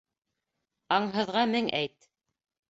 Аңһыҙға мең әйт.